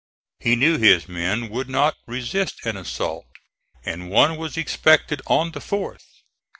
He knew his men would not resist an assault, and one was expected on the fourth.